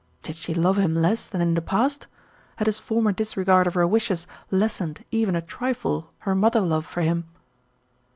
Did she love him less than in the past? Had his former disregard of her wishes lessened even a trifle her mother love for him?